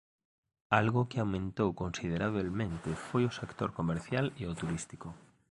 Algo que aumentou considerablemente foi o sector comercial e o turístico.